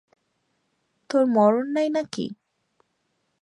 তোর মরণ নাই নাকি।